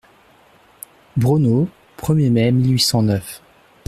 Braunau, premier mai mille huit cent neuf.